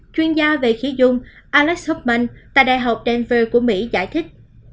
chuyên gia về khí dung alex hoffman tại đại học denver của mỹ giải thích